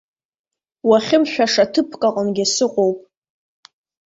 Уахьымшәаша ҭыԥк аҟынгьы сыҟоуп!